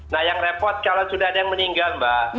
nah yang repot kalau sudah ada yang meninggal mbak